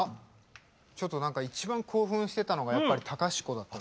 ちょっと一番興奮してたのがやっぱり隆子だったので。